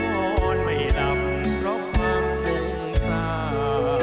โดนไม่หลับเพราะความภูมิสาว